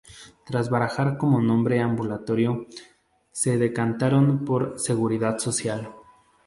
Tras barajar como nombre ‘ambulatorio', se decantaron por "Seguridad Social".